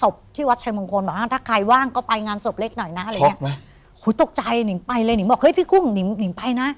บอกว่าถ้าใครบวางก็ไปงานศพเล็กหน่อยนะหรอยนี้ช็อคไหม